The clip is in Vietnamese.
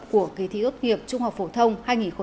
của kỳ thi tốt nghiệp trung học phổ thông hai nghìn hai mươi